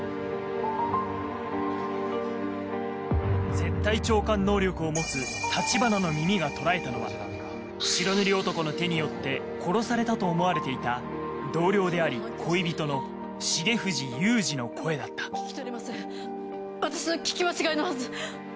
絶対聴感能力を持つ橘の耳が捉えたのは白塗り男の手によって殺されたと思われていた同僚であり恋人の重藤雄二の声だった私の聞き間違いのはず。